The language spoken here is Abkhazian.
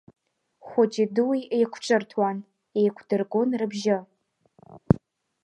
Хәыҷи-дуи еиқәҿырҭуан, еиқәдыргон рыбжьы.